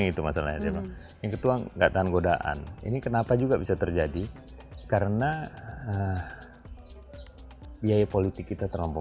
itu masalahnya yang kedua enggak tahan godaan ini kenapa juga bisa terjadi karena biaya politik kita terampuh